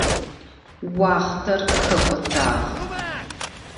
Уахътэр хэкӏотагъ.